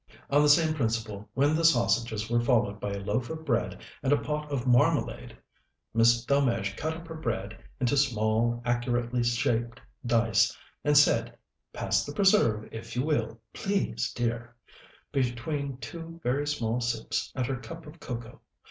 On the same principle, when the sausages were followed by a loaf of bread and a pot of marmalade, Miss Delmege cut up her bread into small, accurately shaped dice, and said, "Pass the preserve if you will, please, dear," between two very small sips at her cup of cocoa.